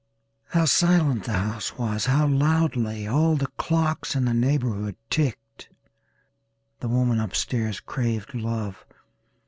How silent the house was how loudly all the clocks in the neighborhood ticked. The woman upstairs craved love.